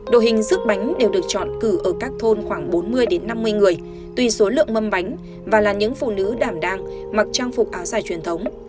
đội hình sức bánh đều được chọn cử ở các thôn khoảng bốn mươi năm mươi người tùy số lượng mâm bánh và là những phụ nữ đảm đang mặc trang phục áo dài truyền thống